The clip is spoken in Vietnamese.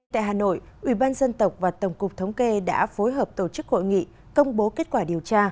tại hà nội ủy ban dân tộc và tổng cục thống kê đã phối hợp tổ chức hội nghị công bố kết quả điều tra